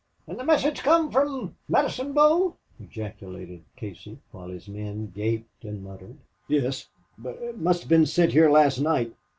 "An' the message come from Medicine Bow!" ejaculated Casey, while his men gaped and muttered. "Yes. It must have been sent here last night.